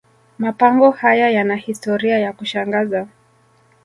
mapango haya yana historia ya kushangaza